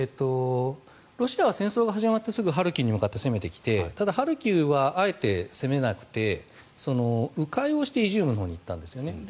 ロシアは戦争が始まってすぐハルキウに向かって攻めてきて、ただハルキウはあえて攻めなくて迂回をしてイジュームのほうに行ったんですよね。